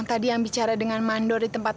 tidak benar tante